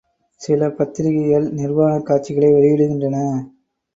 சில பத்திரிகைகள் நிர்வாணக் காட்சிகளை வெளியிடுகின்றன.